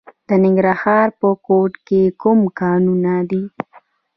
د ننګرهار په کوټ کې کوم کانونه دي؟